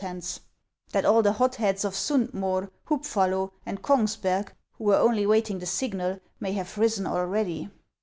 tents ; that all the hot heads in Sund Moer, Hubi'ullo, and Kougsberg, who were only waiting the signal, may have risen already